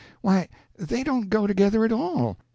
Why, they don't go together, at all.